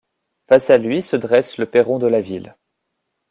Face à lui se dresse le perron de la ville.